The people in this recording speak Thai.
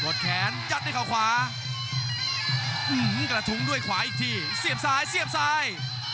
ดแขนยัดด้วยเขาขวากระทุ้งด้วยขวาอีกทีเสียบซ้ายเสียบซ้าย